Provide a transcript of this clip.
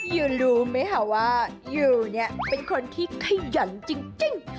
ยูรู้ไหมคะว่ายูเนี่ยเป็นคนที่ขยันจริง